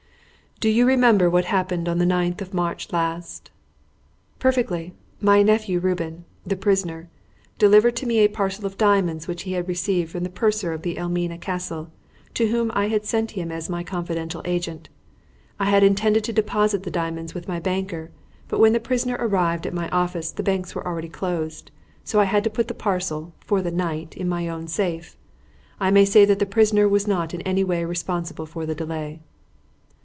"Do you remember what happened on the ninth of March last?" "Perfectly. My nephew Reuben the prisoner delivered to me a parcel of diamonds which he had received from the purser of the Elmina Castle, to whom I had sent him as my confidential agent. I had intended to deposit the diamonds with my banker, but when the prisoner arrived at my office, the banks were already closed, so I had to put the parcel, for the night, in my own safe. I may say that the prisoner was not in any way responsible for the delay."